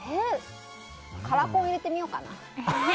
カラコン入れてみようかな？